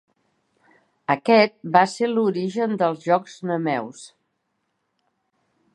Aquest va ser l'origen dels Jocs Nemeus.